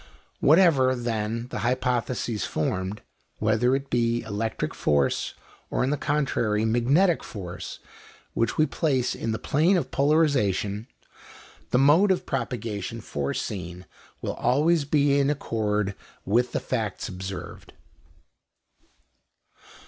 Whatever, then, the hypothesis formed, whether it be electric force or, on the contrary, magnetic force which we place in the plane of polarization, the mode of propagation foreseen will always be in accord with the facts observed.